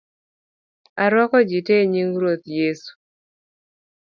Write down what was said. Arwako ji tee enying Ruoth Yesu